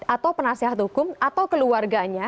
atau penasehat hukum atau keluarganya